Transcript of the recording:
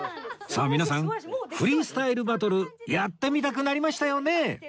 さあ皆さんフリースタイルバトルやってみたくなりましたよね？